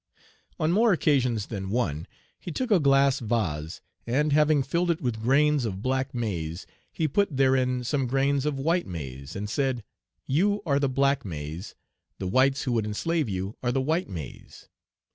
On more occasions than one he took a glass vase, and, having filled it with grains of black maize, he put therein some grains of white maize, and said, "You are the black maize; the whites who would enslave you are the white maize."